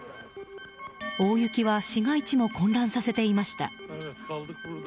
大雪は市街地も混乱させていました。